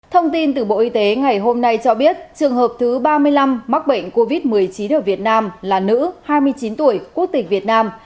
thông tin từ bộ y tế ngày hôm nay cho biết trường hợp thứ ba mươi năm mắc bệnh covid một mươi chín ở việt nam là nữ hai mươi chín tuổi quốc tịch việt nam